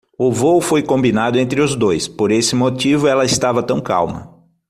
O vôo foi combinado entre os dois: por esse motivo ela estava tão calma.